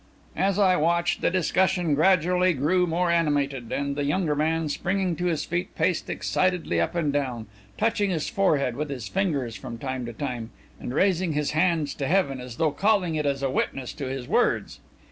As I watched, the discussion gradually grew more animated, and the younger man, springing to his feet, paced excitedly up and down, touching his forehead with his fingers from time to time, and raising his hands to heaven, as though calling it as a witness to his words.